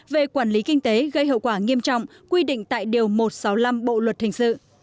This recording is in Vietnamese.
về quản lý kinh tế gây hậu quả nghiêm trọng quy định tại điều một trăm sáu mươi năm bộ luật hình sự